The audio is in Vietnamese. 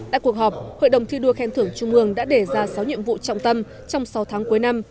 tại cuộc họp hội đồng thi đua khen thưởng trung ương đã để ra sáu nhiệm vụ trọng tâm trong sáu tháng cuối năm